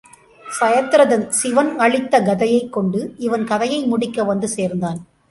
சயத்ரதன் சிவன் அளித்த கதையைக் கொண்டு இவன் கதையை முடிக்க வந்து சேர்ந்தான்.